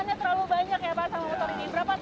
berapa tahun ini umurnya motornya pak